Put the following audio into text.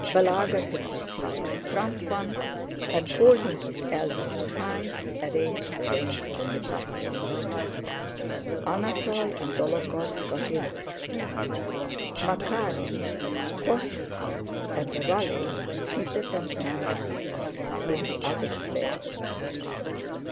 Balagá took his seat in the front one and holding his elbows high arranged the reins deliberately. Anatole and Dólokhov got in with him. Makárin, Khvóstikov, and a valet seated themselves in the other sleigh.